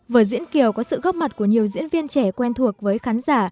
vở diễn kiều có sự góp mặt của nhiều diễn viên trẻ quen thuộc với khán giả